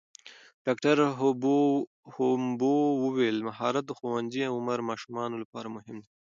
ډاکټره هومبو وویل مهارت د ښوونځي عمر ماشومانو لپاره مهم دی.